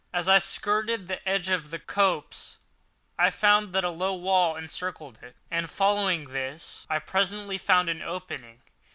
As I skirted the edge of the copse, I found that a low wall encircled it, and following this I presently found an opening.